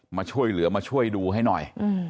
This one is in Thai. มาช่วยเหลือมาช่วยดูให้หน่อย